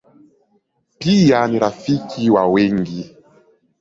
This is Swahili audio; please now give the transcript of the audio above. Pia ni rafiki wa wengi.